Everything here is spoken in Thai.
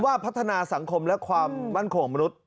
ว่าพัฒนาสังคมและความมั่นคงมนุษย